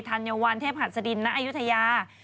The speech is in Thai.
ัญวัลเทพหัสดินณอายุทยา